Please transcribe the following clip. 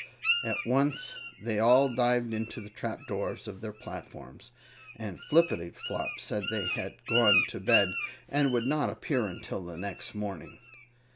At once the they all dived into the trapdoors of their platforms, and Flippityflop said they had gone to bed and would not appear until the next morning.